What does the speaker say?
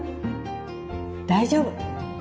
大丈夫！